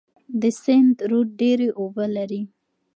د سند رود ډیر اوبه لري.